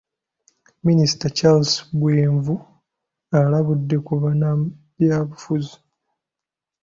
Minisita Charles Bwenvu alabudde ku bannabyabufuzi .